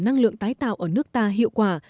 năng lượng tái tạo ở nước ta hiệu quả